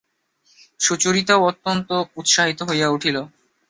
সুচরিতাও অত্যন্ত উৎসাহিত হইয়া উঠিল।